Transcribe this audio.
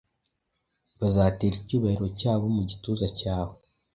Bazatera icyubahiro cyabo mu gituza cyawe,